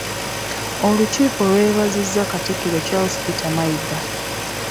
Olukiiko lwebazizza Katikkiro Charles Peter Mayiga.